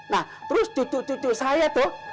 nah terus cucu cucu saya tuh